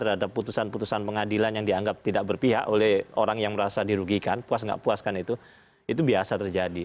terhadap putusan putusan pengadilan yang dianggap tidak berpihak oleh orang yang merasa dirugikan puas nggak puaskan itu itu biasa terjadi